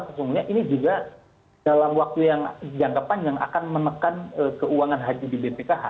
sesungguhnya ini juga dalam waktu yang jangka panjang akan menekan keuangan haji di bpkh